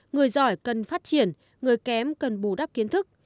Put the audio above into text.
người giỏi cần phát triển người kém cần bù đắp kiến thức